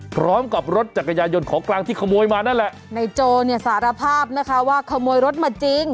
พร้อมกับรถจักรยานยนต์ของกลางที่ขโมยมานั่นแหละในโจเนี่ยสารภาพนะคะว่าขโมยรถมาจริง